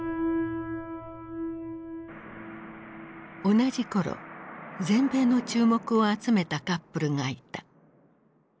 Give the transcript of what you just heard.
同じ頃全米の注目を集めたカップルがいた。